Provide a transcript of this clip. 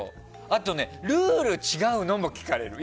あと、ルール違うの？も聞かれる。